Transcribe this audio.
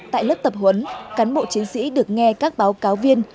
tại lớp tập huấn cán bộ chiến sĩ được nghe các báo cáo viên